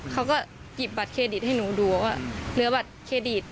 เขาก็หยิบบัตรเครดิตให้หนูดูว่าเหลือบัตรเครดิต